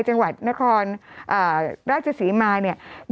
กรมป้องกันแล้วก็บรรเทาสาธารณภัยนะคะ